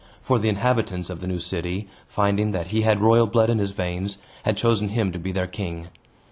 For the inhabitants of the new city, finding that he had royal blood in his veins, had chosen him to be their king.